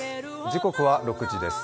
時刻は６時です。